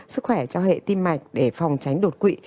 sức khỏe cho hệ tim mạch để phòng tránh đột quỵ